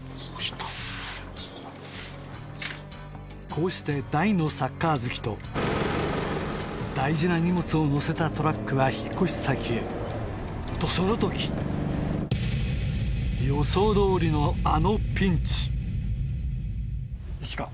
こうして大のサッカー好きと大事な荷物を載せたトラックは引っ越し先へとその時予想どおりのあのピンチよし行こう。